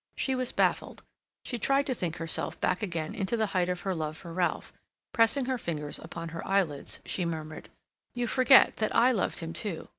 She was baffled; she tried to think herself back again into the height of her love for Ralph. Pressing her fingers upon her eyelids, she murmured: "You forget that I loved him too.